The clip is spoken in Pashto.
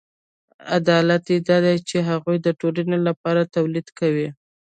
علت یې دا دی چې هغوی د ټولنې لپاره تولید کوي